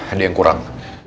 ada yang kurang